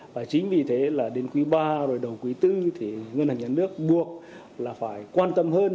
và chính vì thế là đến quý ba rồi đầu quý tư thì ngân hàng nhà nước buộc là phải quan tâm hơn